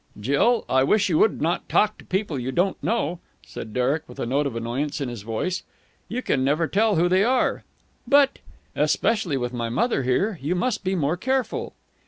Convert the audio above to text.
Jill, I wish you would not talk to people you don't know," said Derek with a note of annoyance in his voice. "You can never tell who they are." "But...." "Especially with my mother here. You must be more careful."